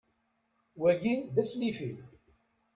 Wagi, d aslif-iw.